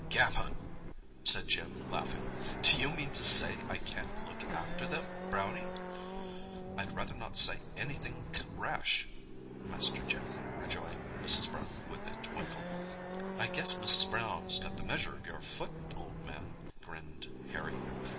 "Gammon!" said Jim laughing. "D'you mean to say I can't look after them, Brownie?" "I'd rather not say anythink rash, Master Jim," rejoined Mrs. Brown with a twinkle. "I guess Mrs. Brown's got the measure of your foot, old man," grinned Harry.